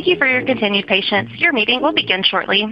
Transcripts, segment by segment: Thank you for your continued patience. Your meeting will begin shortly.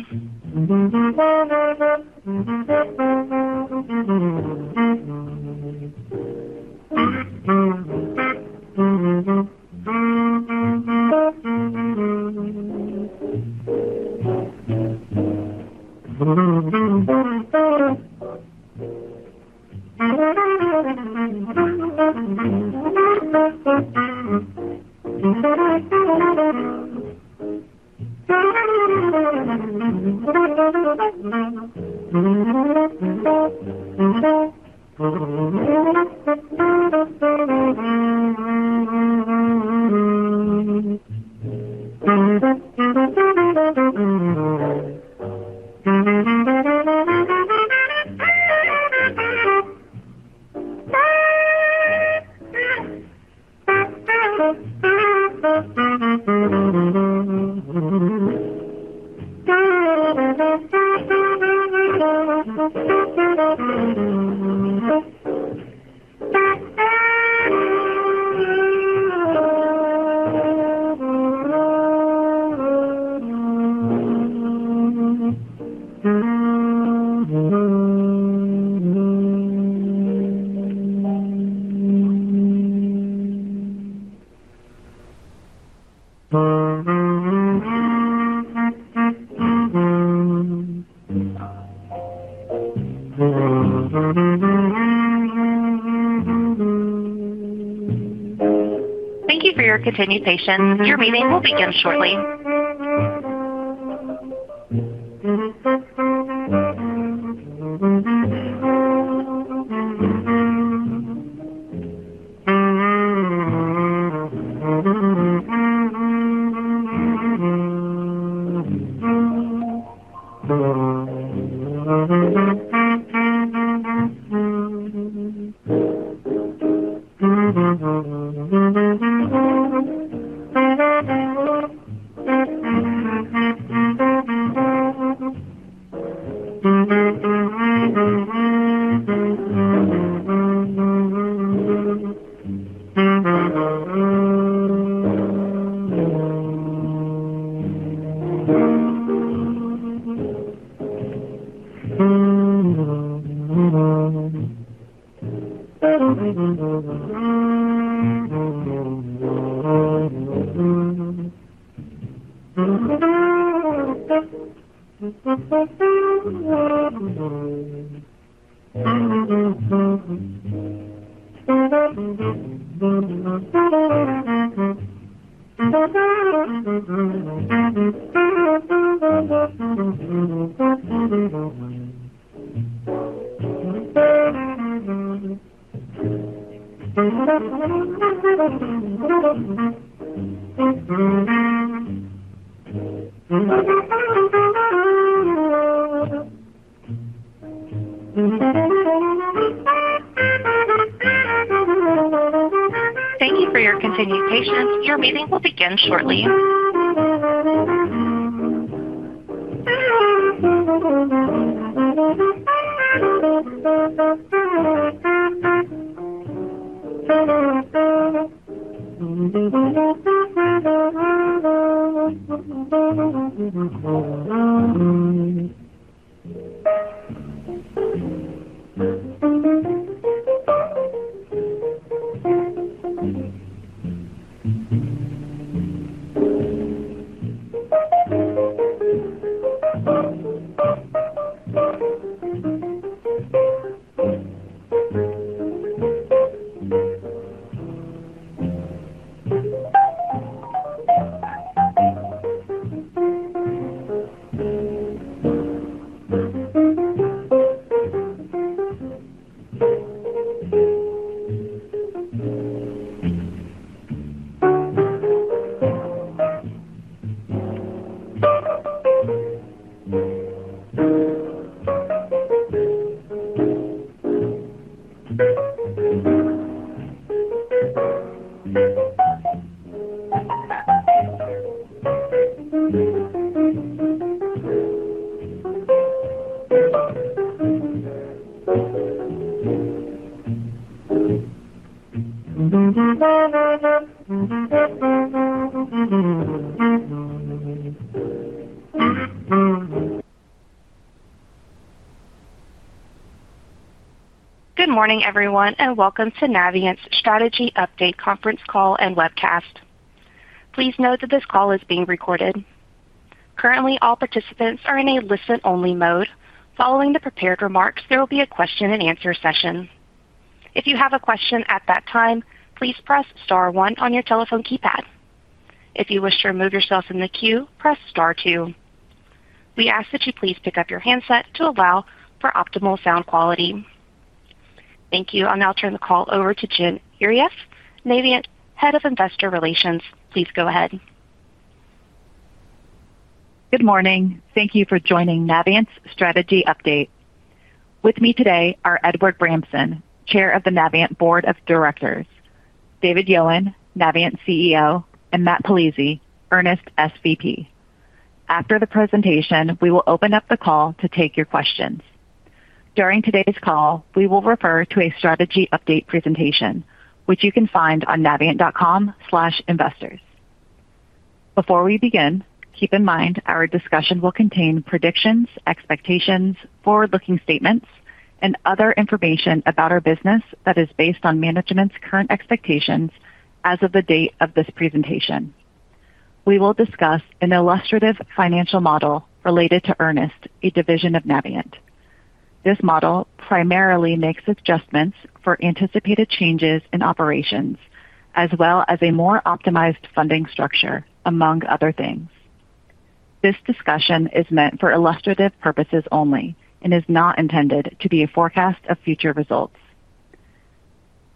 Thank you for your continued patience. Your meeting will begin shortly. Thank you for your continued patience. Your meeting will begin shortly. Good morning, everyone, and welcome to Navient's strategy update conference call and webcast. Please note that this call is being recorded. Currently, all participants are in a listen-only mode. Following the prepared remarks, there will be a question-and-answer session. If you have a question at that time, please press star one on your telephone keypad. If you wish to remove yourself from the queue, press star two. We ask that you please pick up your handset to allow for optimal sound quality. Thank you. I'll now turn the call over to Jen Earyes, Navient Head of Investor Relations. Please go ahead. Good morning. Thank you for joining Navient's strategy update. With me today are Edward Bramson, Chair of the Navient Board of Directors, David Yowan, Navient CEO, and Matt Palese, Earnest SVP. After the presentation, we will open up the call to take your questions. During today's call, we will refer to a strategy update presentation, which you can find on navient.com/investors. Before we begin, keep in mind our discussion will contain predictions, expectations, forward-looking statements, and other information about our business that is based on management's current expectations as of the date of this presentation. We will discuss an illustrative financial model related to Earnest, a division of Navient. This model primarily makes adjustments for anticipated changes in operations, as well as a more optimized funding structure, among other things. This discussion is meant for illustrative purposes only and is not intended to be a forecast of future results.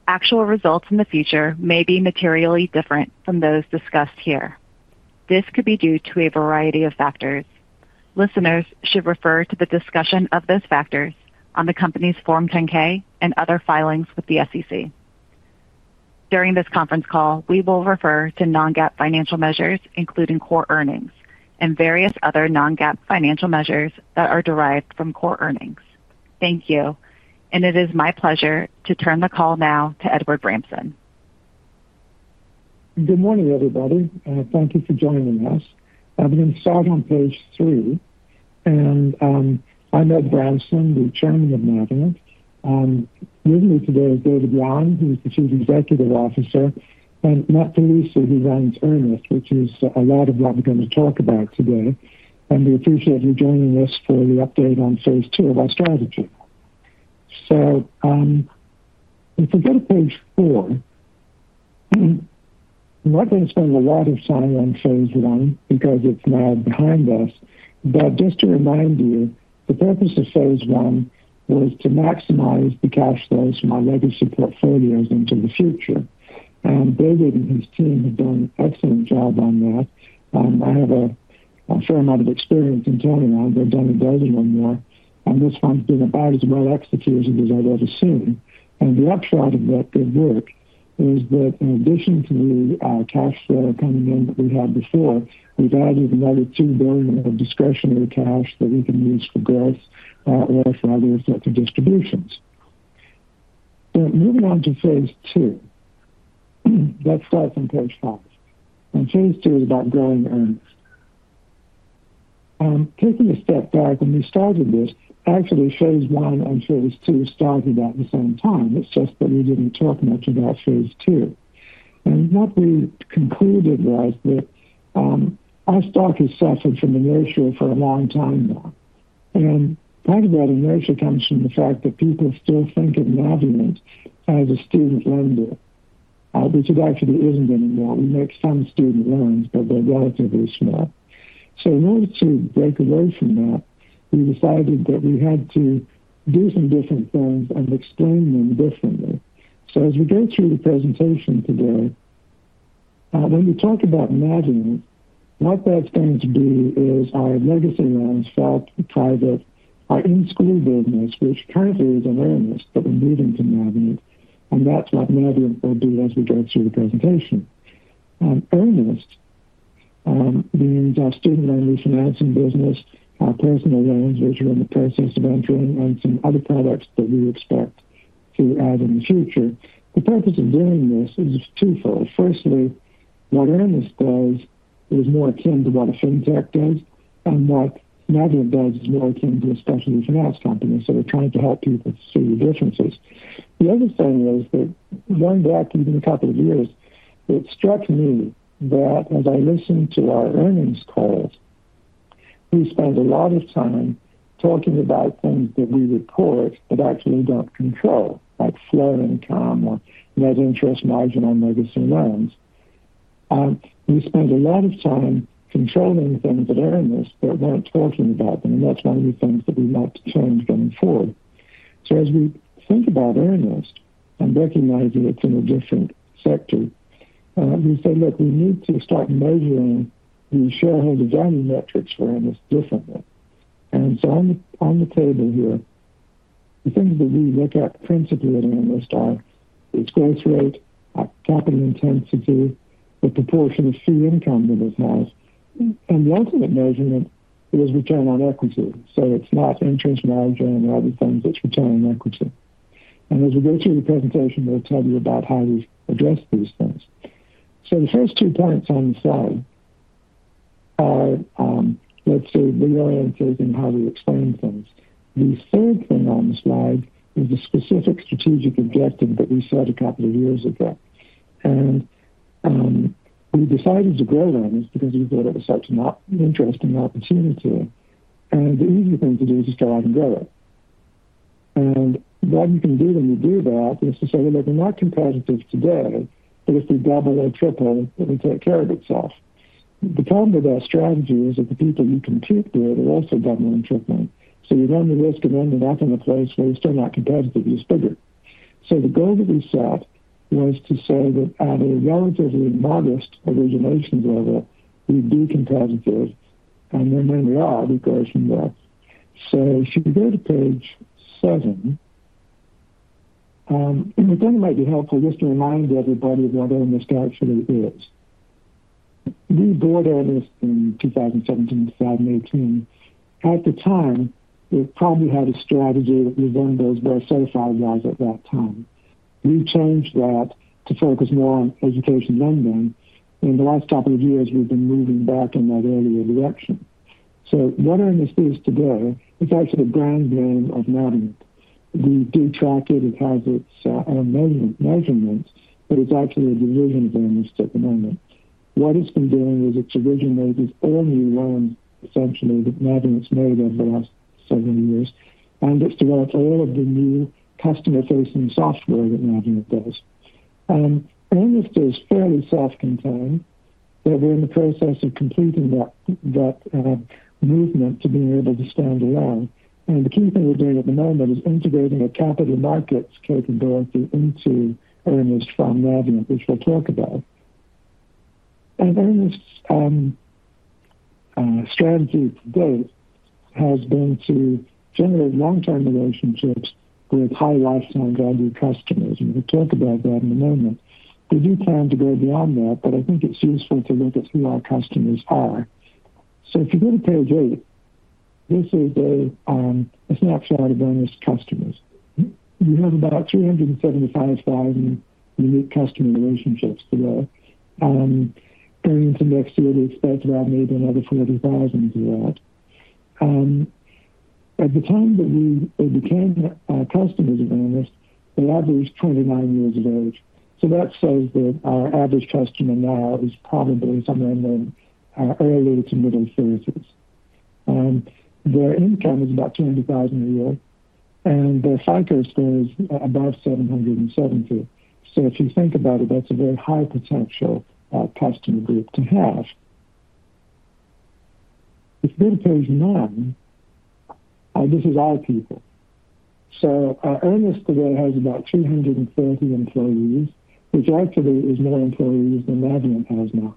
Actual results in the future may be materially different from those discussed here. This could be due to a variety of factors. Listeners should refer to the discussion of those factors on the company's Form 10-K and other filings with the SEC. During this conference call, we will refer to Non-GAAP financial measures, including core earnings, and various other Non-GAAP financial measures that are derived from core earnings. Thank you. It is my pleasure to turn the call now to Edward Bramson. Good morning, everybody. Thank you for joining us. I'm going to start on page three. I'm Ed Bramson, the Chairman of Navient. With me today is David Yowan, who is the Chief Executive Officer, and Matt Palese, who runs Earnest, which is a lot of what we're going to talk about today. We appreciate you joining us for the update on phase two of our strategy. If we go to page four, we're not going to spend a lot of time on phase one because it's now behind us. Just to remind you, the purpose of phase one was to maximize the cash flows from our legacy portfolios into the future. David and his team have done an excellent job on that. I have a fair amount of experience in telling you they've done a dozen or more. This one's been about as well executed as I've ever seen. The upshot of that good work is that in addition to the cash flow coming in that we had before, we've added another $2 billion of discretionary cash that we can use for growth or for other effective distributions. Moving on to phase two, let's start from page five. Phase two is about growing earnings. Taking a step back, when we started this, actually phase one and phase two started at the same time. It's just that we didn't talk much about phase two. What we concluded was that our stock has suffered from inertia for a long time now. Part of that inertia comes from the fact that people still think of Navient as a student lender, which it actually isn't anymore. We make some student loans, but they're relatively small. In order to break away from that, we decided that we had to do some different things and explain them differently. As we go through the presentation today, when we talk about Navient, what that is going to be is our legacy loans, FFELP, private, our in-school business, which currently is in Earnest, but we are moving to Navient. That is what Navient will be as we go through the presentation. Earnest means our student loan refinancing business, our personal loans, which are in the process of entering, and some other products that we expect to add in the future. The purpose of doing this is twofold. Firstly, what Earnest does is more akin to what a fintech does, and what Navient does is more akin to a specialty finance company. We are trying to help people see the differences. The other thing is that going back even a couple of years, it struck me that as I listen to our earnings calls, we spend a lot of time talking about things that we report but actually do not control, like floor income or net interest margin on legacy loans. We spend a lot of time controlling things at Earnest, but we are not talking about them. That is one of the things that we would like to change going forward. As we think about Earnest and recognize that it is in a different sector, we say, "Look, we need to start measuring the shareholder value metrics for Earnest differently." On the table here, the things that we look at principally at Earnest are its growth rate, capital intensity, the proportion of fee income that it has. The ultimate measurement is return on equity. It is not interest margin or other things. It is return on equity. As we go through the presentation, we will tell you about how we have addressed these things. The first two points on the slide are, let us see, reorienting how we explain things. The third thing on the slide is the specific strategic objective that we set a couple of years ago. We decided to grow Earnest because we thought it was such an interesting opportunity. The easy thing to do is to start out and grow it. What you can do when you do that is to say, "Look, we are not competitive today, but if we double or triple, it will take care of itself." The problem with our strategy is that the people you compete with are also doubling and tripling. You run the risk of ending up in a place where you're still not competitive; you're still good. The goal that we set was to say that at a relatively modest origination level, we'd be competitive. When we are, we grow from there. If you go to page seven, it might be helpful just to remind everybody of what Earnest actually is. We bought Earnest in 2017, 2018. At the time, it probably had a strategy that was in those board-certified laws at that time. We changed that to focus more on education lending. In the last couple of years, we've been moving back in that earlier direction. What Earnest is today, it's actually a brand name of Navient. We do track it. It has its own measurements, but it's actually a division of Earnest at the moment. What it's been doing is it's originated all new loans, essentially, that Navient's made over the last several years. It's developed all of the new customer-facing software that Navient does. Earnest is fairly self-contained. We are in the process of completing that movement to being able to stand alone. The key thing we're doing at the moment is integrating a capital markets capability into Earnest from Navient, which we'll talk about. Earnest's strategy to date has been to generate long-term relationships with high lifetime value customers. We'll talk about that in a moment. We do plan to go beyond that. I think it's useful to look at who our customers are. If you go to page eight, this is a snapshot of Earnest's customers. We have about 375,000 unique customer relationships today. And next year would expect about maybe another 40,000 to that. At the time that we became customers of Earnest, they're at least 29 years of age. That says that our average customer now is probably somewhere in the early to middle 30s. Their income is about $120,000 a year. Their FICO score is above 770. If you think about it, that's a very high potential customer group to have. If you go to page nine, this is our people. Earnest today has about 230 employees, which actually is more employees than Navient has now.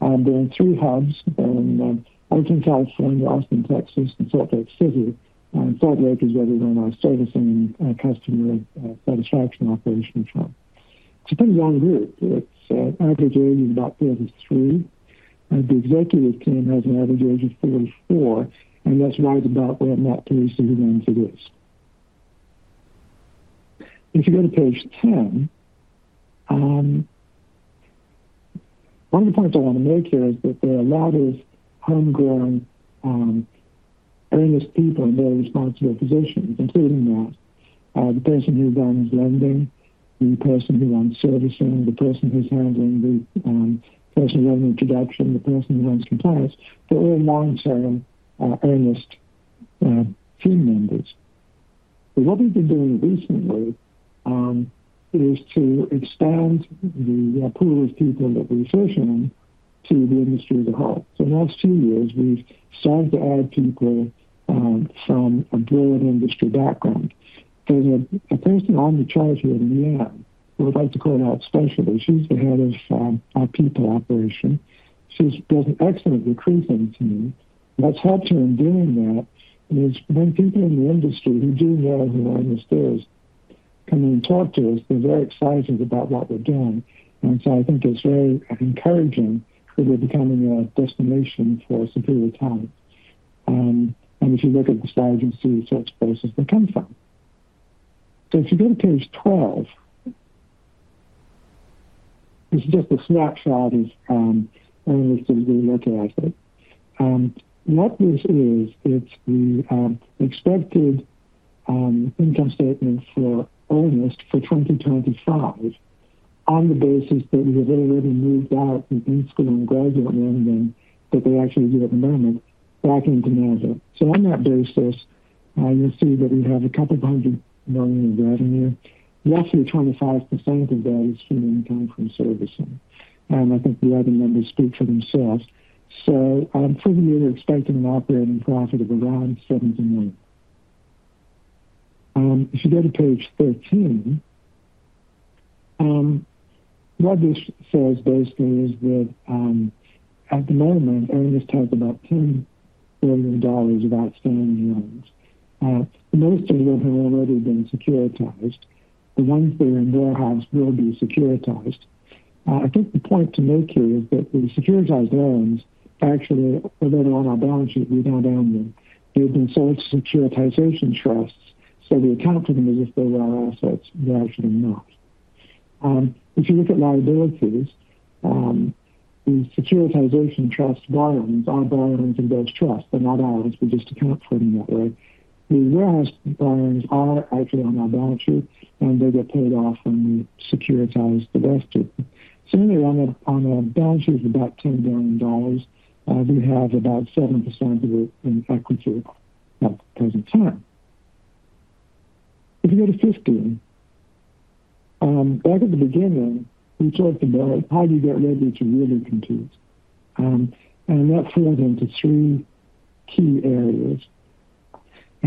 They're in three hubs: they're in Oakland, Austin, Texas, and Salt Lake City. Salt Lake is where we run our servicing and customer satisfaction operations from. It's a pretty young group. It's an average age of about 33. The executive team has an average age of 44. That's right about where Matt Palese begins with this. If you go to page 10, one of the points I want to make here is that there are a lot of homegrown Earnest people in very responsible positions, including that the person who runs lending, the person who runs servicing, the person who's handling the personal loan introduction, the person who runs compliance, they're all long-term Earnest team members. What we've been doing recently is to expand the pool of people that we're searching to the industry as a whole. In the last two years, we've started to add people from a broad industry background. There's a person on the chart here in the end who I'd like to call out specially. She's the head of our people operation. She's built an excellent recruiting team. What's helped her in doing that is when people in the industry who do know who Earnest is come in and talk to us, they're very excited about what we're doing. I think it's very encouraging that we're becoming a destination for superior talent. If you look at the slide, you'll see such places they come from. If you go to page 12, this is just a snapshot of Earnest as we look at it. What this is, it's the expected income statement for Earnest for 2025 on the basis that we have already moved out from in-school and graduate lending that they actually do at the moment back into Navient. On that basis, you'll see that we have a couple of hundred million of revenue. Roughly 25% of that is from income from servicing. I think the other numbers speak for themselves. For the year, we're expecting an operating profit of around $70 million. If you go to page 13, what this says basically is that at the moment, Earnest has about $10 billion of outstanding loans. Most of them have already been securitized. The ones that are in warehouse will be securitized. I think the point to make here is that the securitized loans actually, although they're on our balance sheet, we've now downloaded them. They've been sold to securitization trusts. We account for them as if they were our assets. They're actually not. If you look at liabilities, the securitization trust buy-ins are buy-ins of those trusts. They're not ours. We just account for them that way. The warehouse buy-ins are actually on our balance sheet, and they get paid off when we securitize the rest of them. Anyway, on a balance sheet of about $10 billion, we have about 7% of it in equity at the present time. If you go to 15, back at the beginning, we talked about how do you get ready to really compete? That falls into three key areas.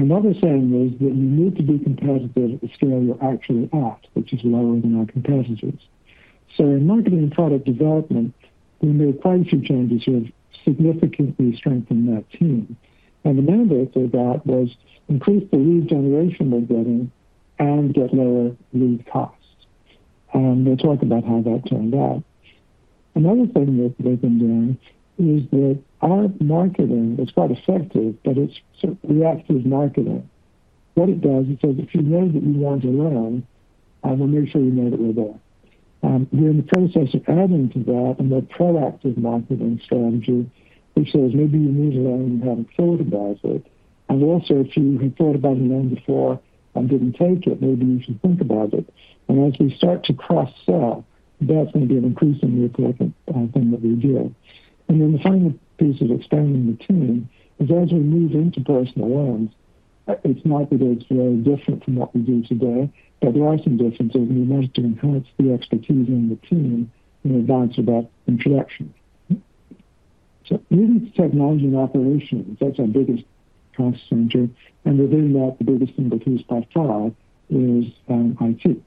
What we're saying is that you need to be competitive at the scale you're actually at, which is lower than our competitors. In marketing and product development, we made quite a few changes to significantly strengthen that team. The mandate for that was to increase the lead generation we're getting and get lower lead costs. We'll talk about how that turned out. Another thing that they've been doing is that our marketing is quite effective, but it's sort of reactive marketing. What it does is it says if you know that you want a loan, we'll make sure you know that we're there. We're in the process of adding to that a more proactive marketing strategy, which says maybe you need a loan and have not thought about it. Also, if you have thought about a loan before and did not take it, maybe you should think about it. As we start to cross-sell, that is going to be an increasingly important thing that we do. The final piece of expanding the team is as we move into personal loans, it is not that it is very different from what we do today, but there are some differences, and we want to enhance the expertise in the team in advance of that introduction. Moving to technology and operations, that is our biggest cost center. Within that, the biggest thing that we've touched on is IT.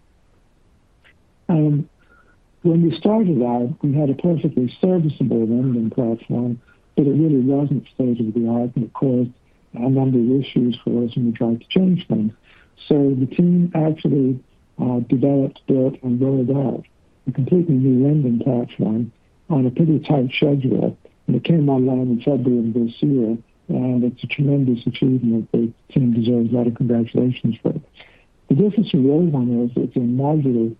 When we started out, we had a perfectly serviceable lending platform, but it really wasn't state of the art and it caused a number of issues for us when we tried to change things. The team actually developed, built, and rolled out a completely new lending platform on a pretty tight schedule. It came online in February of this year. It's a tremendous achievement that the team deserves a lot of congratulations for. The difference from the old one is it's a modular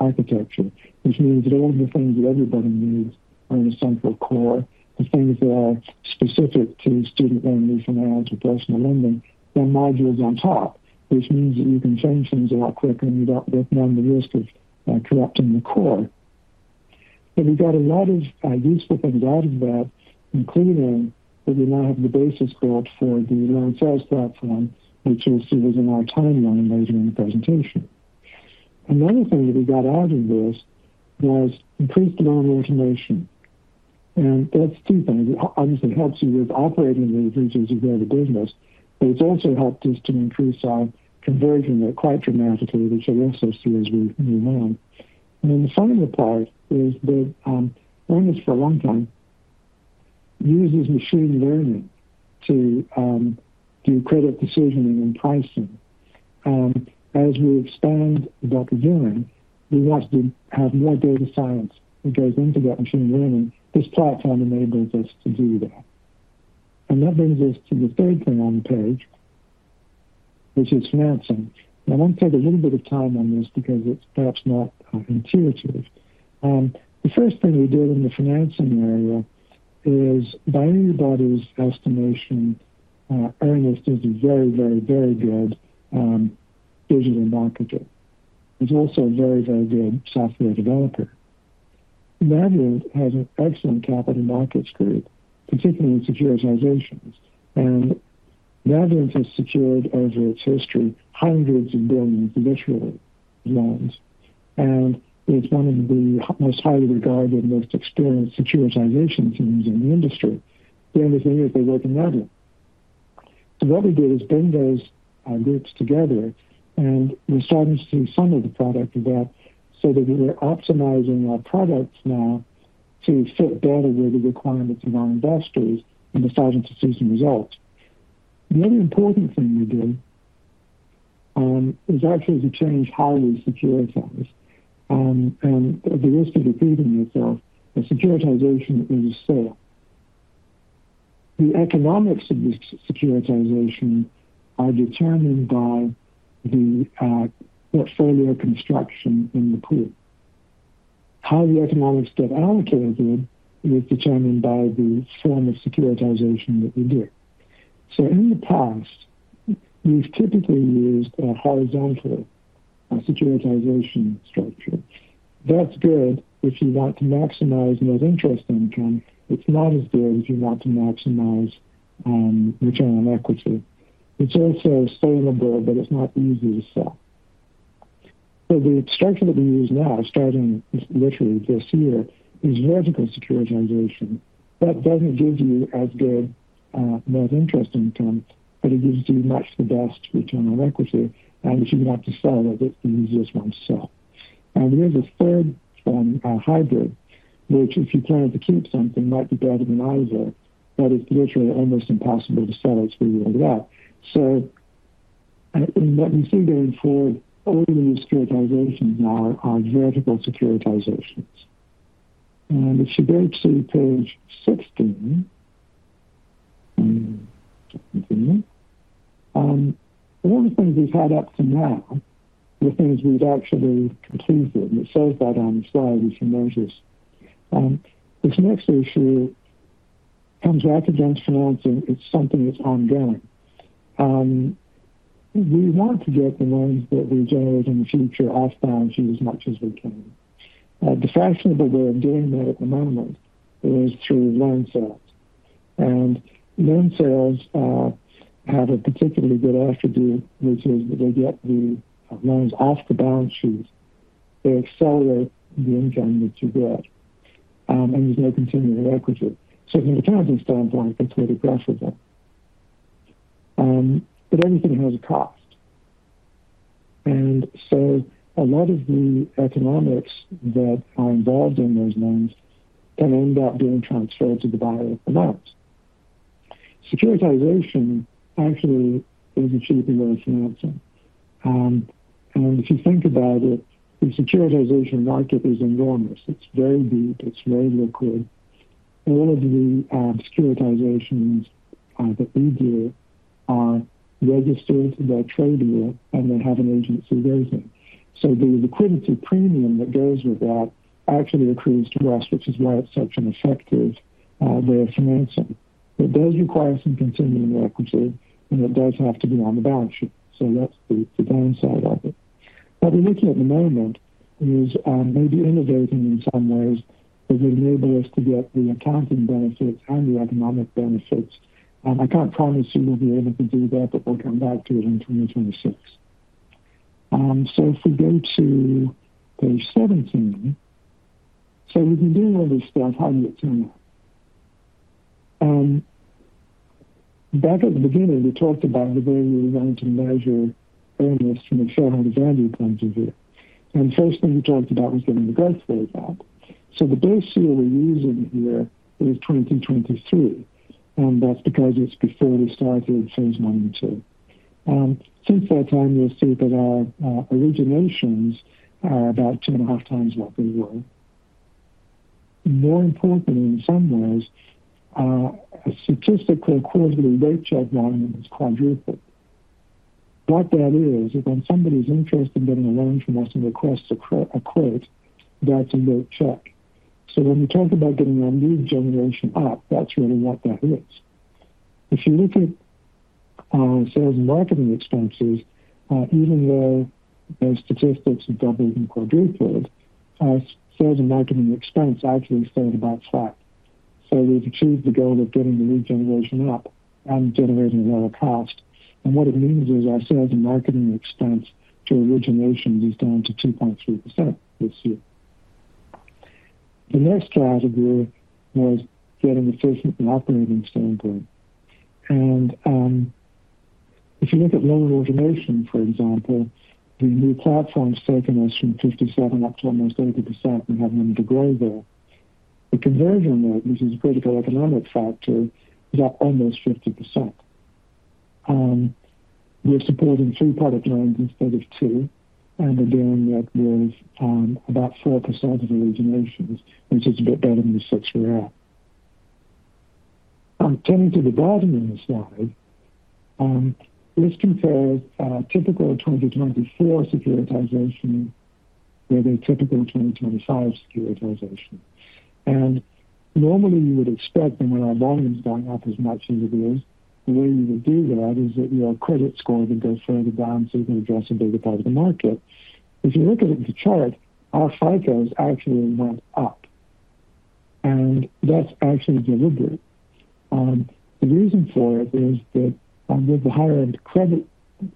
architecture, which means that all of the things that everybody needs are in a central core. The things that are specific to student loan refinancing or personal lending, they're modules on top, which means that you can change things a lot quicker and you don't run the risk of corrupting the core. We got a lot of useful things out of that, including that we now have the basis built for the loan sales platform, which you'll see is in our timeline later in the presentation. Another thing that we got out of this was increased loan automation. And that's two things. It obviously helps you with operating the business as well as the business. It has also helped us to increase our conversion rate quite dramatically, which I also see as we move on. The final part is that Earnest, for a long time, used machine learning to do credit decisioning and pricing. As we expand what we're doing, we want to have more data science that goes into that machine learning. This platform enables us to do that. That brings us to the third thing on the page, which is financing. I want to take a little bit of time on this because it's perhaps not intuitive. The first thing we did in the financing area is, by anybody's estimation, Earnest is a very, very, very good digital marketer. He's also a very, very good software developer. Navient has an excellent capital markets group, particularly in securitizations. Navient has secured, over its history, hundreds of billions of issuing loans. It's one of the most highly regarded, most experienced securitization teams in the industry. The only thing is they work in Navient. What we did is bring those groups together, and we're starting to see some of the product of that. We're optimizing our products now to fit better with the requirements of our investors and starting to see some results. The other important thing we did is actually to change how we securitize. At the risk of repeating yourself, securitization is a scale. The economics of this securitization are determined by the portfolio construction in the pool. How the economics get allocated is determined by the form of securitization that we do. In the past, we've typically used a horizontal securitization structure. That's good if you want to maximize net interest income. It's not as good if you want to maximize return on equity. It's also scalable, but it's not easy to sell. The structure that we use now, starting literally this year, is vertical securitization. That doesn't give you as good net interest income, but it gives you much the best return on equity. If you want to sell it, it's the easiest one to sell. We have a third hybrid, which, if you plan to keep something, might be better than either, but it's literally almost impossible to sell it through the way you're at. What we see going forward, all of the new securitizations now are vertical securitizations. If you go to page 16, one of the things we've had up to now, the things we've actually completed, and it says that on the slide you can notice. This next issue comes right against financing. It's something that's ongoing. We want to get the loans that we generate in the future off balance sheet as much as we can. The fashionable way of doing that at the moment is through loan sales. Loan sales have a particularly good attribute, which is that they get the loans off the balance sheet. They accelerate the income that you get. There is no continuing equity. From an accounting standpoint, that is very profitable. Everything has a cost, and a lot of the economics that are involved in those loans can end up being transferred to the buyer of the loans. Securitization actually is a cheap way of financing. If you think about it, the securitization market is enormous. It is very deep. It is very liquid. A lot of the securitizations that we do are registered by trading and then have an agency rate them. The liquidity premium that goes with that actually accrues to us, which is why it is such an effective way of financing. It does require some continuing equity, and it does have to be on the balance sheet. That is the downside of it. What we're looking at at the moment is maybe innovating in some ways that would enable us to get the accounting benefits and the economic benefits. I can't promise you we'll be able to do that, but we'll come back to it in 2026. If we go to page 17, we've been doing all this stuff. How do you expand that? Back at the beginning, we talked about the way we were going to measure earnings from a shareholder value point of view. The first thing we talked about was getting the growth data out. The base year we're using here is 2023. That's because it's before we started phase one and two. Since that time, you'll see that our originations are about two and a half times what they were. More importantly, in some ways, a statistical quarterly rate check volume is quadrupled. What that is, is when somebody's interested in getting a loan from us and requests a quote, that's a lead check. When we talk about getting our lead generation up, that's really what that is. If you look at sales and marketing expenses, even though those statistics have doubled and quadrupled, sales and marketing expense actually stayed about flat. We've achieved the goal of getting the lead generation up and generating lower cost. What it means is our sales and marketing expense to originations is down to 2.3% this year. The next strategy was getting efficient from an operating standpoint. If you look at lower origination, for example, the new platform's taken us from 57% up to almost 80% and having them degrade there. The conversion rate, which is a critical economic factor, is up almost 50%. We're supporting three product lines instead of two. We are dealing with about 4% of originations, which is a bit better than the 6% we are at. Turning to the bottom of the slide, let's compare a typical 2024 securitization with a typical 2025 securitization. Normally, you would expect that when our volume is going up as much as it is, the way you would do that is that your credit score would go further down so you can address a bigger part of the market. If you look at the chart, our FICO scores actually went up. That is actually deliberate. The reason for it is that with the higher-end credit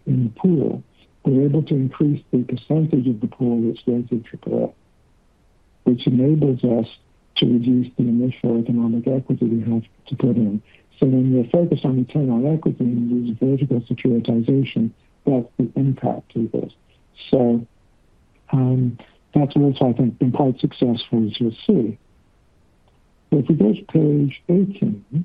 in the pool, we are able to increase the percentage of the pool that is going through AAA, which enables us to reduce the initial economic equity we have to put in. When we are focused on return on equity and use vertical securitization, that is the impact of this. That is also, I think, been quite successful, as you'll see. If we go to page 18,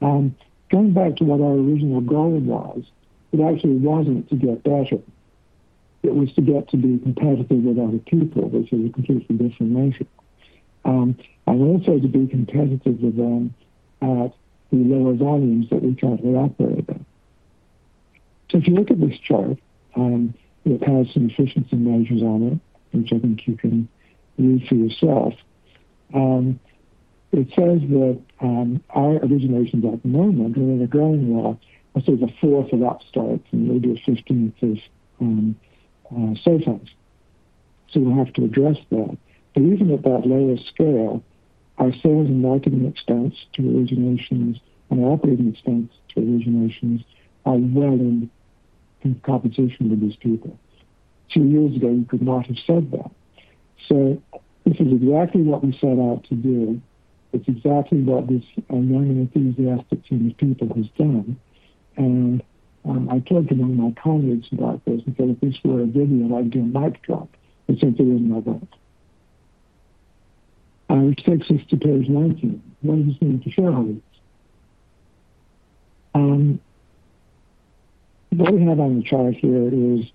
going back to what our original goal was, it actually was not to get better. It was to get to be competitive with other people, which is a completely different measure. Also to be competitive with them at the lower volumes that we currently operate at. If you look at this chart, it has some efficiency measures on it, which I think you can read for yourself. It says that our originations at the moment are in a growing lot. I'll say it is a fourth of Upstart's and maybe a fifteenth of SoFi's. We will have to address that. Even at that lower scale, our sales and marketing expense to originations and our operating expense to originations are well in competition with these people. Two years ago, you could not have said that. This is exactly what we set out to do. It's exactly what this young and enthusiastic team of people has done. I told some of my colleagues about this and said, "If this were a video, I'd do a mic drop." They said, "It's in my book," which takes us to page 19. What does this mean for shareholders? What we have on the chart here is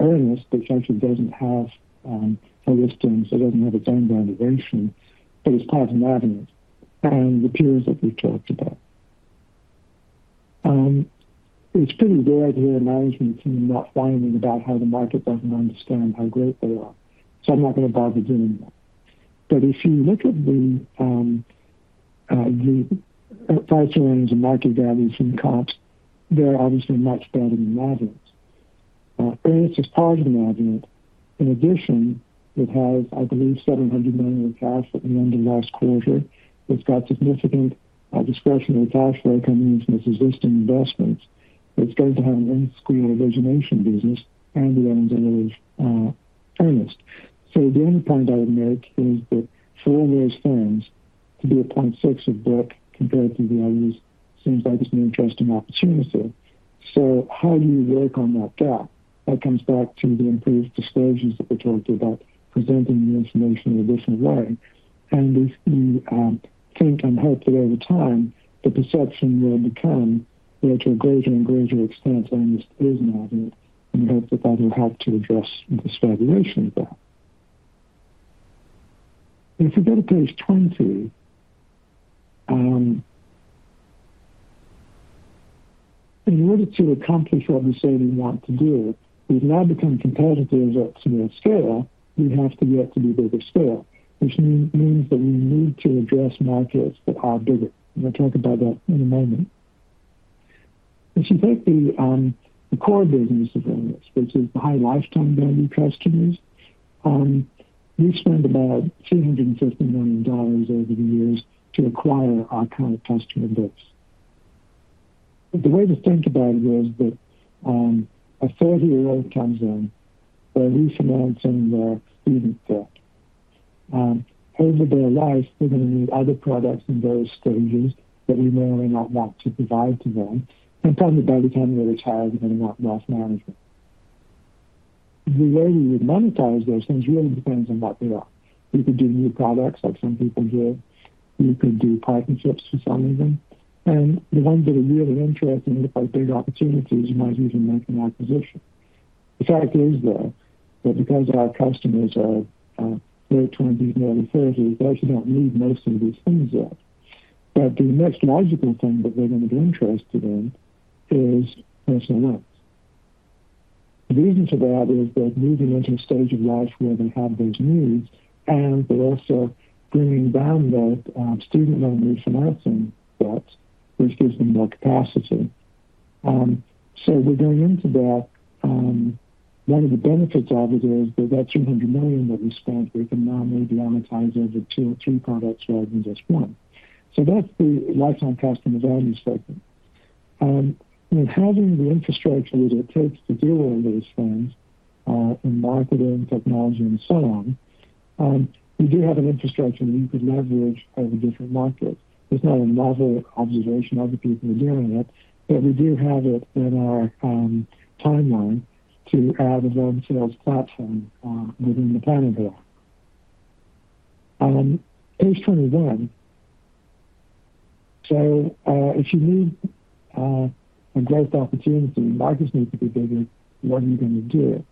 Earnest, which actually doesn't have a listing. It doesn't have its own valuation, but it's part of Navient. The peers that we've talked about. It's pretty rare to hear a management team not whining about how the market doesn't understand how great they are. I'm not going to bother doing that. If you look at the price earnings and market values and comps, they're obviously much better than Navient. Earnest is part of Navient. In addition, it has, I believe, $700 million in cash at the end of last quarter. It's got significant discretionary cash flow coming in from its existing investments. It's going to have an in-school origination business and the earnings of Earnest. The only point I would make is that for all those firms, to be at 0.6 of book compared to the others seems like it's an interesting opportunity. How do you work on that gap? That comes back to the improved disclosures that we talked about, presenting the information in a different way. If you think and hope that over time, the perception will become that to a greater and greater extent, Earnest is Navient, and we hope that that will help to address the stagnation there. If we go to page 20, in order to accomplish what we say we want to do, we've now become competitive at small scale. We have to get to be bigger scale, which means that we need to address markets that are bigger. I'll talk about that in a moment. If you take the core business of Earnest, which is the high lifetime value customers, we've spent about $350 million over the years to acquire our current customer base. The way to think about it is that a 40-year-old comes in, they're refinancing, they're even there. Over their life, they're going to need other products in various stages that we may or may not want to provide to them. Probably by the time they retire, they're going to want wealth management. The way we would monetize those things really depends on what they are. We could do new products like some people do. We could do partnerships for some of them. The ones that are really interesting, look like big opportunities, you might even make an acquisition. The fact is, though, that because our customers are late 20s, early 30s, they actually don't need most of these things yet. The next logical thing that they're going to be interested in is personal loans. The reason for that is they're moving into a stage of life where they have those needs, and they're also bringing down the student loan refinancing debt, which gives them more capacity. We are going into that. One of the benefits of it is that that $300 million that we spent, we can now maybe monetize over two or three products rather than just one. That is the lifetime customer value statement. Having the infrastructure that it takes to do all those things in marketing, technology, and so on, we do have an infrastructure that we could leverage over different markets. It is not a novel observation of the people who are doing it, but we do have it in our timeline to add a loan sales platform within the planning block. Page 21. If you need a growth opportunity, markets need to be bigger. What are you going to do?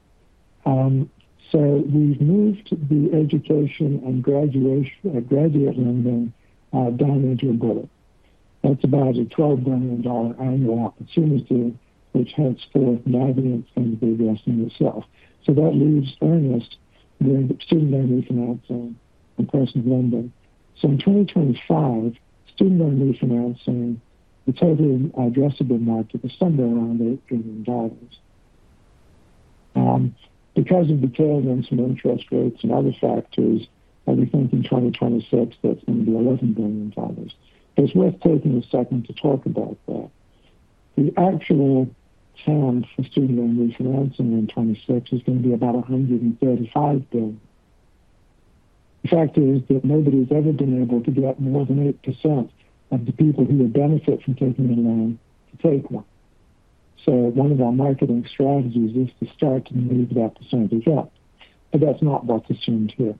We have moved the education and graduate lending down into a bullet. That is about a $12 billion annual opportunity, which henceforth Navient is going to be addressing itself. That leaves Earnest doing student loan refinancing and personal lending. In 2025, student loan refinancing, the total addressable market is somewhere around $8 billion. Because of the tailwinds from interest rates and other factors, we think in 2026 that is going to be $11 billion. It is worth taking a second to talk about that. The actual TAM for student loan refinancing in 2026 is going to be about $135 billion. The fact is that nobody has ever been able to get more than 8% of the people who would benefit from taking a loan to take one. One of our marketing strategies is to start to move that percentage up. That's not what's assumed here.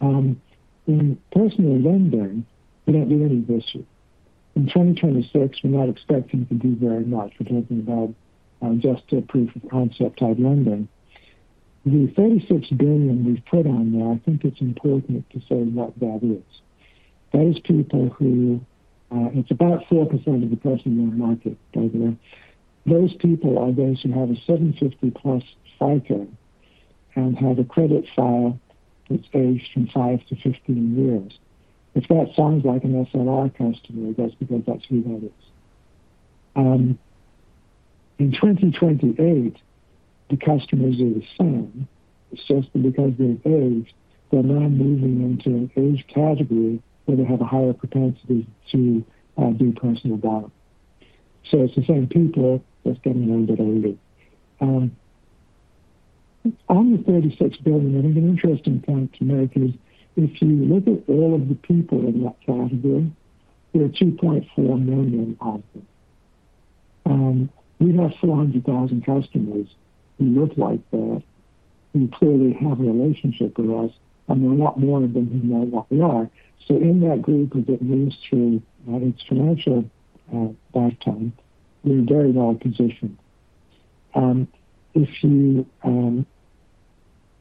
In personal lending, we don't do any this year. In 2026, we're not expecting to do very much. We're talking about just a proof of concept type lending. The $36 billion we've put on there, I think it's important to say what that is. That is people who, it's about 4% of the personal loan market, by the way. Those people are those who have a 750+ FICO and have a credit file that's aged from five to 15 years. If that sounds like an SLR customer, that's because that's who that is. In 2028, the customers are the same. It's just that because they've aged, they're now moving into an age category where they have a higher propensity to do personal borrowing. It's the same people that's getting a little bit older. On the $36 billion, I think an interesting point to make is if you look at all of the people in that category, we're 2.4 million of them. We have 400,000 customers who look like that, who clearly have a relationship with us, and there are a lot more of them who know what we are. In that group that moves through its financial lifetime, we're very well positioned. If you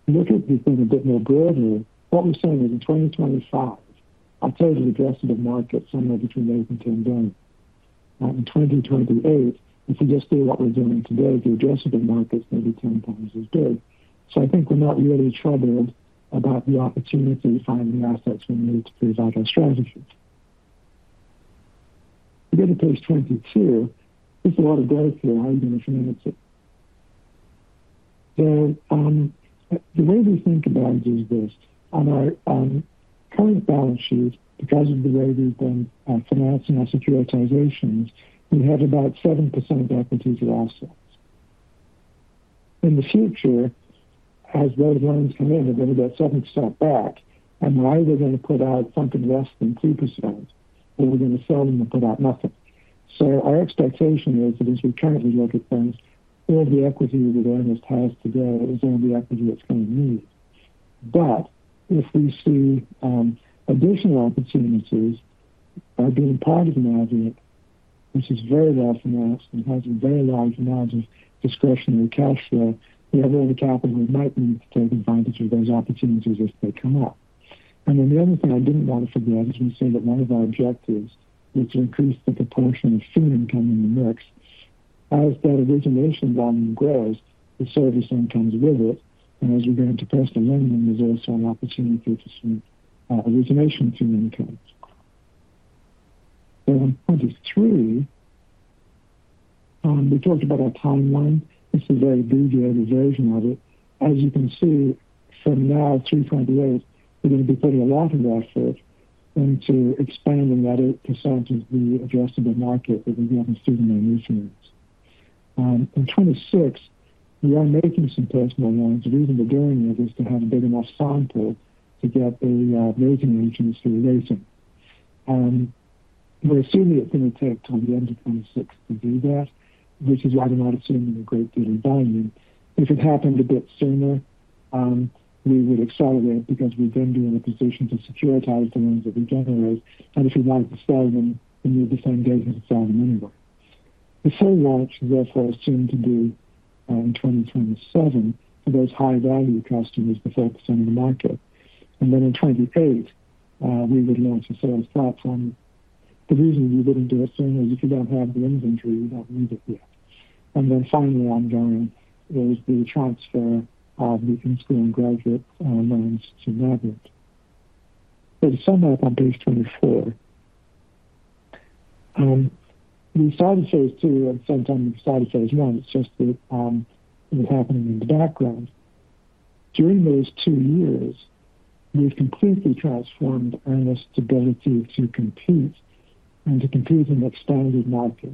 look at the thing a bit more broadly, what we're saying is in 2025, our total addressable market's somewhere between $8 billion and $10 billion. In 2028, if you just do what we're doing today, the addressable market's maybe 10x as big. I think we're not really troubled about the opportunity to find the assets we need to prove out our strategy. We go to page 22. There's a lot of growth here. How are you going to finance it? The way we think about it is this: on our current balance sheet, because of the way we've been financing our securitizations, we have about 7% of equity or assets. In the future, as those loans come in, we're going to get 7% back, and we're either going to put out something less than 2%, or we're going to sell them and put out nothing. Our expectation is that as we currently look at things, all the equity that Earnest has today is all the equity it's going to need. If we see additional opportunities being part of Navient, which is very well financed and has a very large amount of discretionary cash flow, we have all the capital we might need to take advantage of those opportunities as they come up. The other thing I did not want to forget is we said that one of our objectives was to increase the proportion of student coming in the mix. As that origination volume grows, the service incomes with it. As we are going to personal lending, there is also an opportunity to see origination student income. On point three, we talked about our timeline. This is a very detailed version of it. As you can see, from now, till 2028, we are going to be putting a lot of effort into expanding that 8% of the addressable market that we have in student loan refinance. In 2026, we are making some personal loans. The reason we are doing it is to have a big enough sample to get a vacant agency vacant. We're assuming it's going to take until the end of 2026 to do that, which is why we're not assuming a great deal of volume. If it happened a bit sooner, we would accelerate because we'd then be in a position to securitize the loans that we generate. If we wanted to sell them, we'd need the same data to sell them anyway. The full launch is therefore assumed to be in 2027 for those high-value customers to focus on the market. In 2028, we would launch a sales platform. The reason we wouldn't do it sooner is if you don't have the inventory, you don't need it yet. Finally, ongoing is the transfer of the in-school and graduate loans to Navient. To sum up on page 24, we started phase two at the same time we started phase one. It's just that it was happening in the background. During those two years, we've completely transformed Earnest's ability to compete and to compete in expanded markets.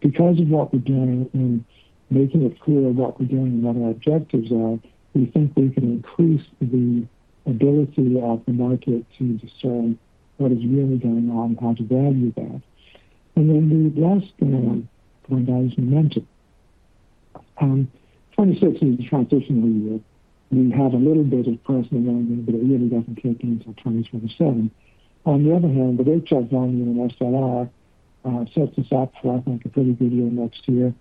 Because of what we're doing and making it clear what we're doing and what our objectives are, we think we can increase the ability of the market to discern what is really going on and how to value that. The last thing I want to point out is momentum. 2026 is the transition of the year. We have a little bit of personal lending, but it really doesn't take until 2027. On the other hand, with HR volume and SLR, sets us up for, I think, a pretty good year next year.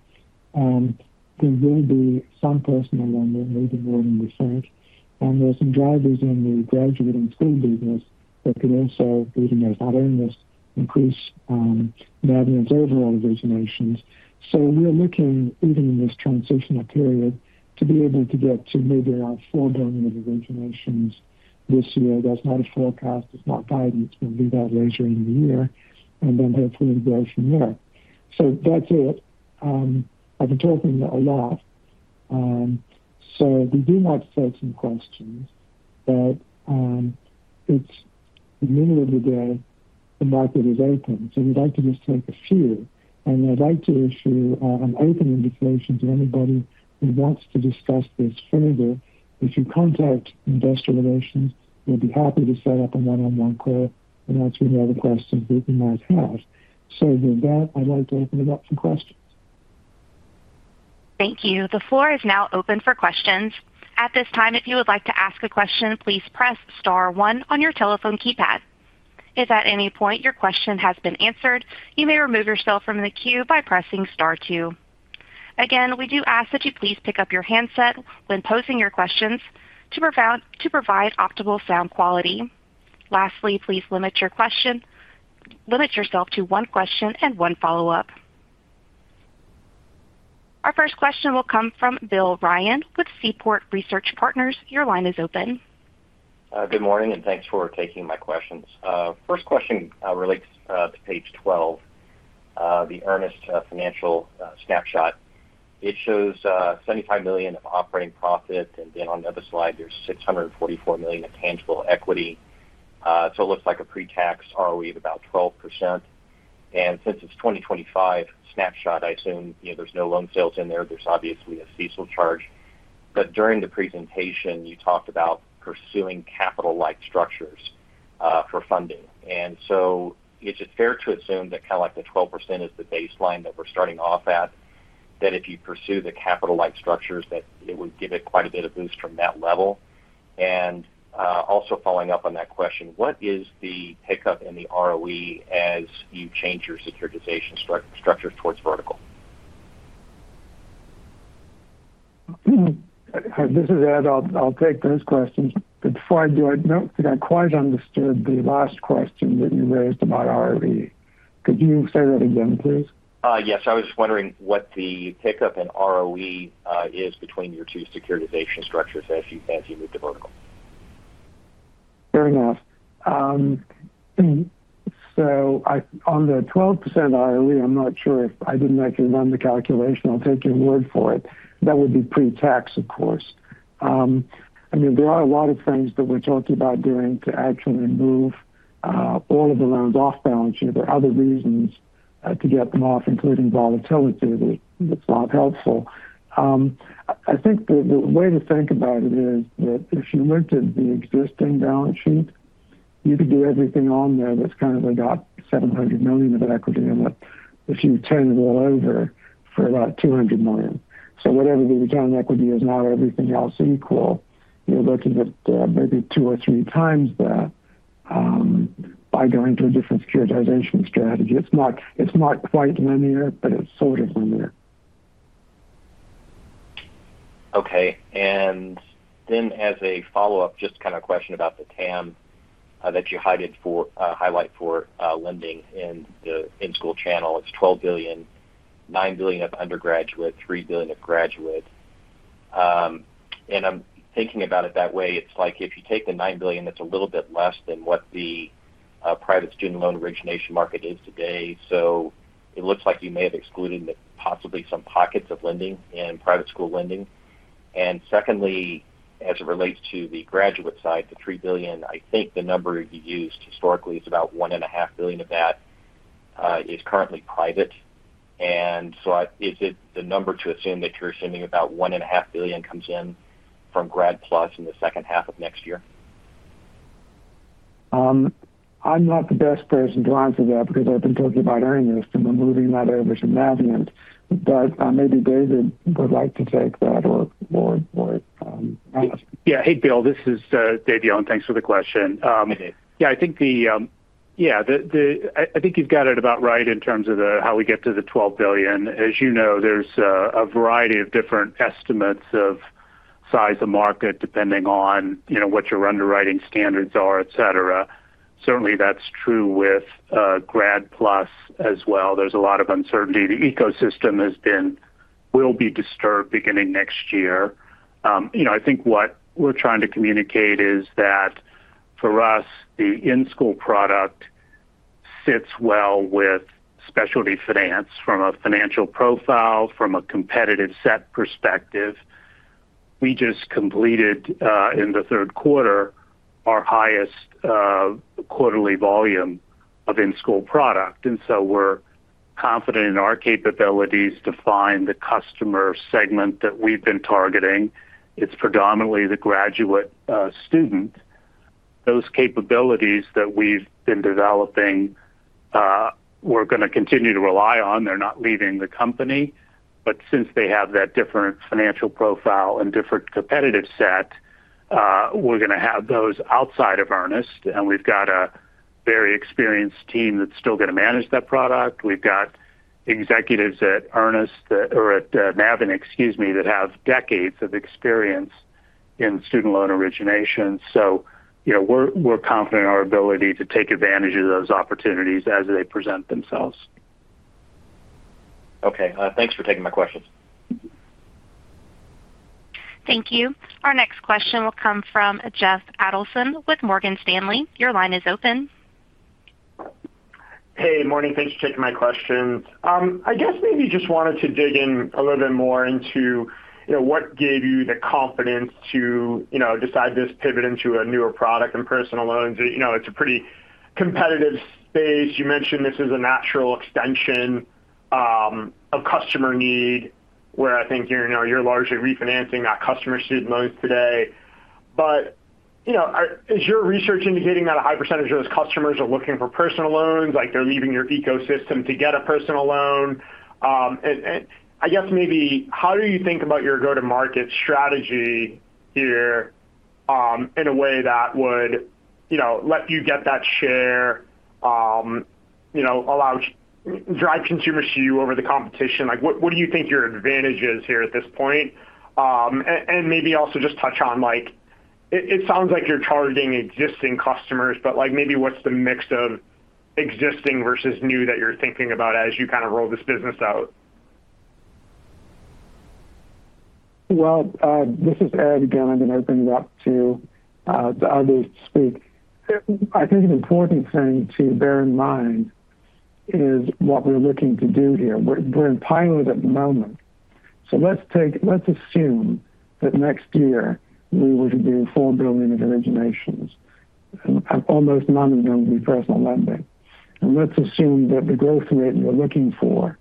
There will be some personal lending, maybe more than we think. There are some drivers in the graduating school business that could also lead to not only this increase in Navient's overall originations. We are looking, even in this transitional period, to be able to get to maybe around $4 billion of originations this year. That is not a forecast. It is not guidance. We will do that later in the year and then hopefully grow from there. That is it. I have been talking a lot. We do want to take some questions, but at the middle of the day, the market is open. We would like to just take a few. I would like to issue an open invitation to anybody who wants to discuss this further. If you contact investor relations, we will be happy to set up a one-on-one call and answer any other questions that you might have. With that, I would like to open it up for questions. Thank you. The floor is now open for questions. At this time, if you would like to ask a question, please press star one on your telephone keypad. If at any point your question has been answered, you may remove yourself from the queue by pressing star two. Again, we do ask that you please pick up your handset when posing your questions to provide optimal sound quality. Lastly, please limit yourself to one question and one follow-up. Our first question will come from Bill Ryan with Seaport Research Partners. Your line is open. Good morning, and thanks for taking my questions. First question relates to page 12, the Earnest financial snapshot. It shows $75 million of operating profit. Then on the other slide, there is $644 million of tangible equity. It looks like a pre-tax ROE of about 12%. Since it is a 2025 snapshot, I assume there are no loan sales in there. There is obviously a CISO charge. During the presentation, you talked about pursuing capital-like structures for funding. Is it fair to assume that the 12% is the baseline that we are starting off at, that if you pursue the capital-like structures, it would give it quite a bit of boost from that level? Also, following up on that question, what is the pickup in the ROE as you change your securitization structures towards vertical? This is Ed. I'll take those questions. Before I do it, I don't think I quite understood the last question that you raised about ROE. Could you say that again, please? Yes. I was just wondering what the pickup in ROE is between your two securitization structures as you move to vertical. Fair enough. On the 12% ROE, I'm not sure if I didn't make you run the calculation. I'll take your word for it. That would be pre-tax, of course. I mean, there are a lot of things that we're talking about doing to actually move all of the loans off balance sheet. There are other reasons to get them off, including volatility, which is not helpful. I think the way to think about it is that if you looked at the existing balance sheet, you could do everything on there that's kind of about $700 million of equity in it if you turned it all over for about $200 million. Whatever the return on equity is now, everything else equal, you're looking at maybe two or three times that by going to a different securitization strategy. It's not quite linear, but it's sort of linear. Okay. As a follow-up, just kind of a question about the TAM that you highlight for lending in the in-school channel. It is $12 billion, $9 billion of undergraduate, $3 billion of graduate. I am thinking about it that way. If you take the $9 billion, it is a little bit less than what the private student loan origination market is today. It looks like you may have excluded possibly some pockets of lending in private school lending. Secondly, as it relates to the graduate side, the $3 billion, I think the number you used historically is about $1.5 billion of that is currently private. Is it the number to assume that you are assuming about $1.5 billion comes in from grad plus in the second half of next year? I'm not the best person to answer that because I've been talking about Earnest and we're moving that over to Navient. Maybe David would like to take that or. Yeah. Hey, Bill. This is David Yowan. Thanks for the question. Yeah. I think the, yeah, I think you've got it about right in terms of how we get to the $12 billion. As you know, there's a variety of different estimates of size of market depending on what your underwriting standards are, etc. Certainly, that's true with grad plus as well. There's a lot of uncertainty. The ecosystem will be disturbed beginning next year. I think what we're trying to communicate is that for us, the in-school product sits well with specialty finance from a financial profile, from a competitive set perspective. We just completed in the third quarter our highest quarterly volume of in-school product. Yeah, we're confident in our capabilities to find the customer segment that we've been targeting. It's predominantly the graduate student. Those capabilities that we've been developing, we're going to continue to rely on. They're not leaving the company. Since they have that different financial profile and different competitive set, we're going to have those outside of Earnest. We've got a very experienced team that's still going to manage that product. We've got executives at Navient, excuse me, that have decades of experience in student loan origination. We are confident in our ability to take advantage of those opportunities as they present themselves. Okay. Thanks for taking my questions. Thank you. Our next question will come from Jeff Adelson with Morgan Stanley. Your line is open. Hey, good morning. Thanks for taking my questions. I guess maybe just wanted to dig in a little bit more into what gave you the confidence to decide this pivot into a newer product in personal loans. It's a pretty competitive space. You mentioned this is a natural extension of customer need where I think you're largely refinancing our customer student loans today. Is your research indicating that a high percentage of those customers are looking for personal loans? They're leaving your ecosystem to get a personal loan. I guess maybe how do you think about your go-to-market strategy here in a way that would let you get that share, drive consumers to you over the competition? What do you think your advantage is here at this point? Maybe also just touch on it sounds like you're targeting existing customers, but maybe what's the mix of existing versus new that you're thinking about as you kind of roll this business out? This is Ed again. I'm going to open it up to others to speak. I think an important thing to bear in mind is what we're looking to do here. We're in pilot at the moment. Let's assume that next year we would do $4 billion of originations and almost none of them will be personal lending. Let's assume that the growth rate you're looking for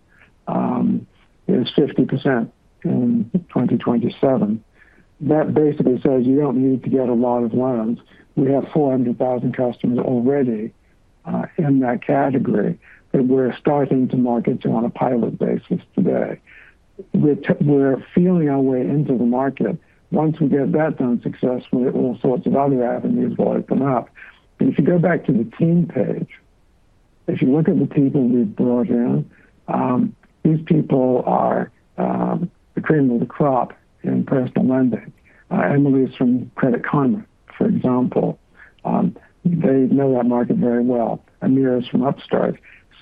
is 50% in 2027. That basically says you don't need to get a lot of loans. We have 400,000 customers already in that category that we're starting to market to on a pilot basis today. We're feeling our way into the market. Once we get that done successfully, all sorts of other avenues will open up. If you go back to the team page, if you look at the people we've brought in, these people are the cream of the crop in personal lending. Emily's from Credit Karma, for example. They know that market very well. Amir's from Upstart.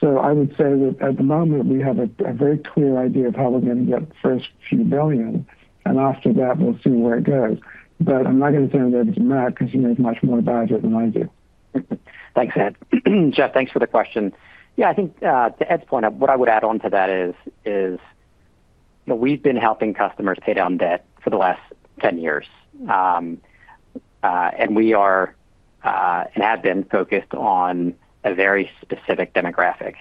I would say that at the moment, we have a very clear idea of how we're going to get the first few million. After that, we'll see where it goes. I'm not going to turn it over to Matt because he knows much more about it than I do. Thanks, Ed. Jeff, thanks for the question. Yeah, I think to Ed's point, what I would add on to that is we've been helping customers pay down debt for the last 10 years. We are and have been focused on a very specific demographic.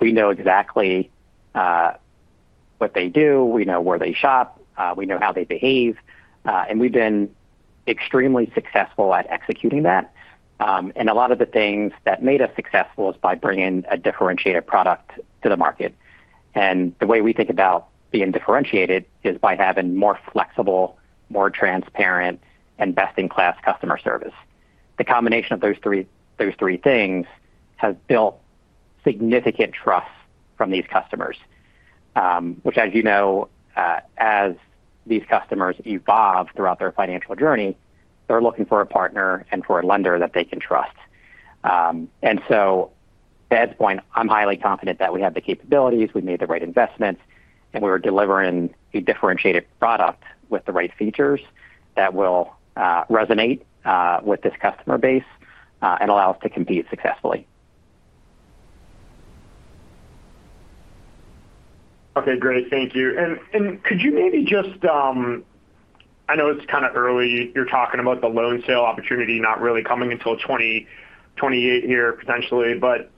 We know exactly what they do. We know where they shop. We know how they behave. We've been extremely successful at executing that. A lot of the things that made us successful is by bringing a differentiated product to the market. The way we think about being differentiated is by having more flexible, more transparent, and best-in-class customer service. The combination of those three things has built significant trust from these customers, which, as you know, as these customers evolve throughout their financial journey, they're looking for a partner and for a lender that they can trust. To Ed's point, I'm highly confident that we have the capabilities, we've made the right investments, and we're delivering a differentiated product with the right features that will resonate with this customer base and allow us to compete successfully. Okay. Great. Thank you. Could you maybe just, I know it's kind of early, you're talking about the loan sale opportunity not really coming until 2028 here potentially, but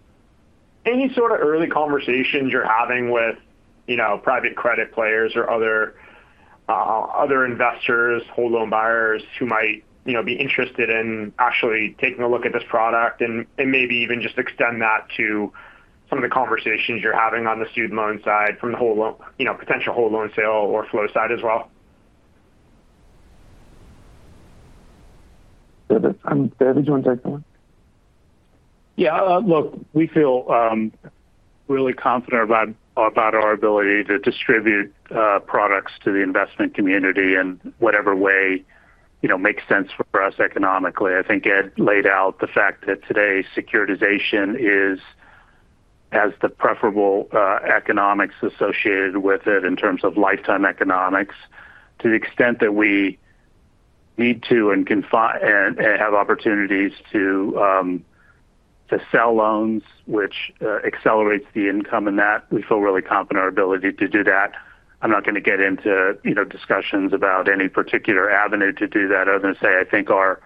any sort of early conversations you're having with private credit players or other investors, whole loan buyers who might be interested in actually taking a look at this product and maybe even just extend that to some of the conversations you're having on the student loan side from the potential whole loan sale or flow side as well? David, do you want to take that one? Yeah. Look, we feel really confident about our ability to distribute products to the investment community in whatever way makes sense for us economically. I think Ed laid out the fact that today securitization has the preferable economics associated with it in terms of lifetime economics to the extent that we need to and have opportunities to sell loans, which accelerates the income in that. We feel really confident in our ability to do that. I'm not going to get into discussions about any particular avenue to do that other than say I think our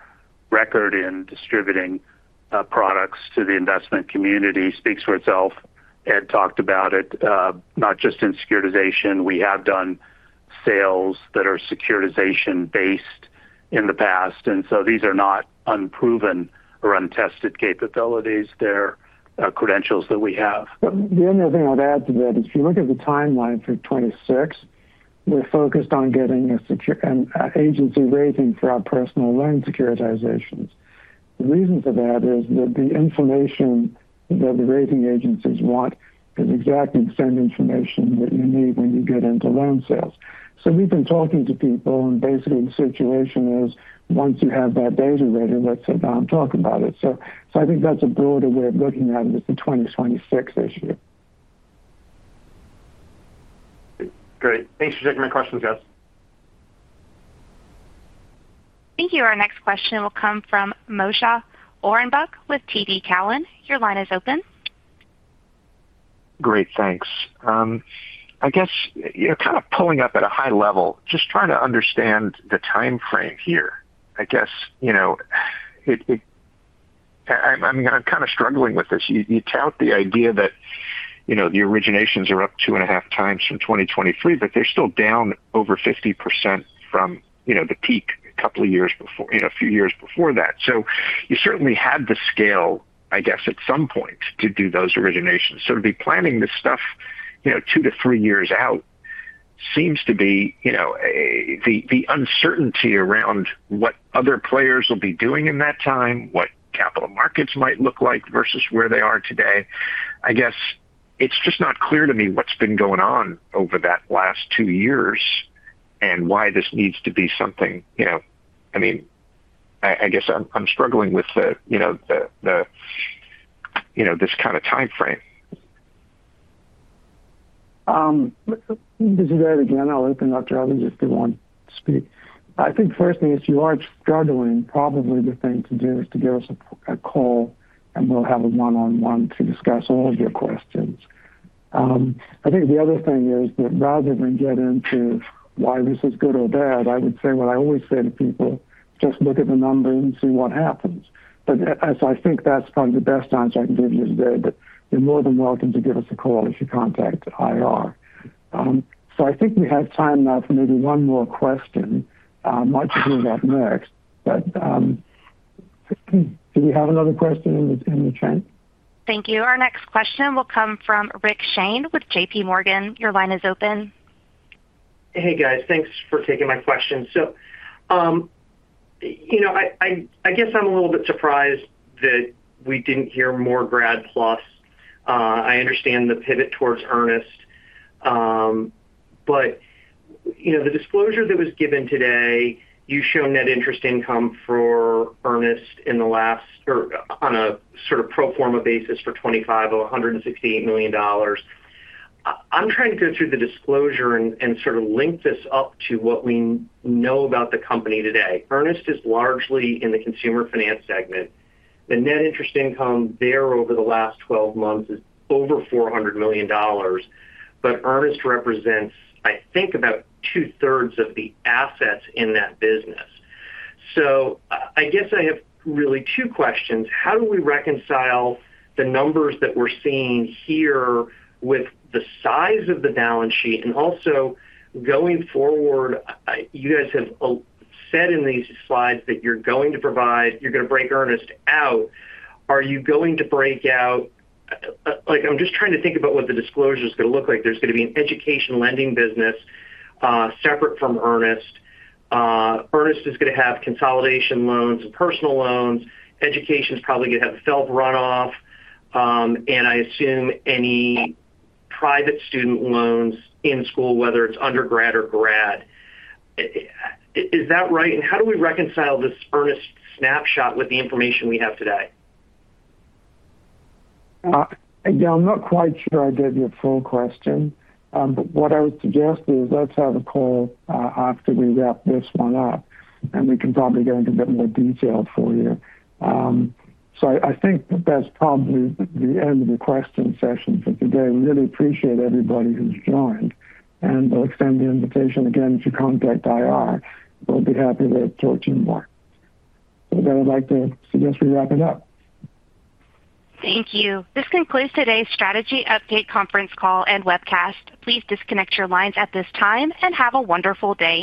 record in distributing products to the investment community speaks for itself. Ed talked about it, not just in securitization. We have done sales that are securitization-based in the past. These are not unproven or untested capabilities. They're credentials that we have. The only thing I'd add to that is if you look at the timeline for 2026, we're focused on getting an agency rating for our personal loan securitizations. The reason for that is that the information that the rating agencies want is exactly the same information that you need when you get into loan sales. We've been talking to people, and basically the situation is once you have that data ready, let's sit down and talk about it. I think that's a broader way of looking at it as the 2026 issue. Great. Thanks for taking my questions, guys. Thank you. Our next question will come from Moshe Orenbuch with TD Cowen. Your line is open. Great. Thanks. I guess kind of pulling up at a high level, just trying to understand the timeframe here. I guess I'm kind of struggling with this. You tout the idea that the originations are up two and a half times from 2023, but they're still down over 50% from the peak a couple of years before, a few years before that. You certainly had the scale, I guess, at some point to do those originations. To be planning this stuff two to three years out seems to be the uncertainty around what other players will be doing in that time, what capital markets might look like versus where they are today. I guess it's just not clear to me what's been going on over that last two years and why this needs to be something. I mean, I guess I'm struggling with this kind of timeframe. This is Ed again. I'll open up the chat if you want to speak. I think first thing is if you are struggling, probably the thing to do is to give us a call, and we'll have a one-on-one to discuss all of your questions. I think the other thing is that rather than get into why this is good or bad, I would say what I always say to people, just look at the numbers and see what happens. I think that's probably the best answer I can give you today, but you're more than welcome to give us a call if you contact IR. I think we have time now for maybe one more question. I might just move up next, but do we have another question in the chat? Thank you. Our next question will come from Rick Shane with JPMorgan. Your line is open. Hey, guys. Thanks for taking my question. I guess I'm a little bit surprised that we didn't hear more grad plus. I understand the pivot towards Earnest. The disclosure that was given today, you show net interest income for Earnest in the last or on a sort of pro forma basis for $25 million or $168 million. I'm trying to go through the disclosure and sort of link this up to what we know about the company today. Earnest is largely in the consumer finance segment. The net interest income there over the last 12 months is over $400 million, but Earnest represents, I think, about 2/3 of the assets in that business. I guess I have really two questions. How do we reconcile the numbers that we're seeing here with the size of the balance sheet? You guys have said in these slides that you're going to provide, you're going to break Earnest out. Are you going to break out? I'm just trying to think about what the disclosure is going to look like. There's going to be an education lending business separate from Earnest. Earnest is going to have consolidation loans and personal loans. Education is probably going to have self runoff. And I assume any private student loans in school, whether it's undergrad or grad. Is that right? How do we reconcile this Earnest snapshot with the information we have today? Yeah, I'm not quite sure I did your full question, but what I would suggest is let's have a call after we wrap this one up, and we can probably go into a bit more detail for you. I think that's probably the end of the question session for today. We really appreciate everybody who's joined. We'll extend the invitation again to contact IR. We'll be happy to talk to you more. I'd like to suggest we wrap it up. Thank you. This concludes today's strategy update conference call and webcast. Please disconnect your lines at this time and have a wonderful day.